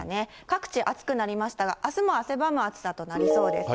各地、暑くなりましたが、あすも汗ばむ暑さとなりそうです。